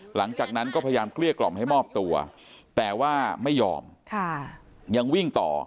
หลังจากนั้นก็พยายามเกลี้ยกล่อมให้มอบตัวแต่ว่าไม่ยอมยังวิ่งต่อ